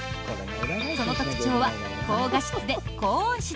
その特徴は高画質で高音質！